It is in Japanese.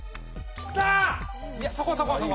きた。